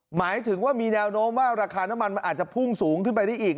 หมายถึงว่ามีแนวโน้มว่าราคาน้ำมันมันอาจจะพุ่งสูงขึ้นไปได้อีก